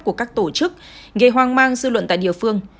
của các tổ chức gây hoang mang dư luận tại địa phương